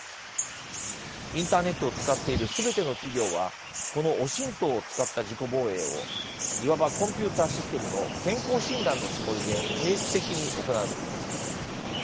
インターネットを使っているすべての企業はこのＯＳＩＮＴを使った自己防衛をいわばコンピューターシステムの健康診断のつもりで定期的に行うべきです。